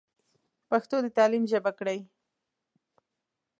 پښتو د تعليم ژبه کړئ.